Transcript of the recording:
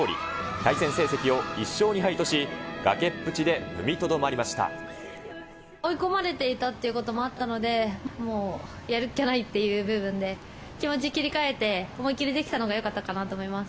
対戦成績を１勝２敗とし、追い込まれていたっていうこともあったので、もうやるっきゃないという部分で、気持ち切り替えて思いきりできたのがよかったかなと思います。